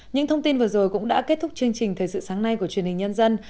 những thông tin vừa rồi cũng đã kết thúc chương trình thời sự sáng nay của truyền hình nhân dân